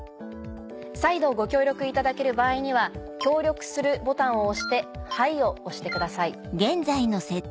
再度ご協力いただける場合には「協力する」ボタンを押して「はい」を押してください。